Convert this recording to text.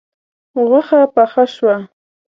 غوښه پخه شوه